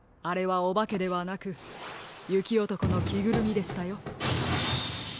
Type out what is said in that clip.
あれはおばけではなくゆきおとこのきぐるみでしたよ。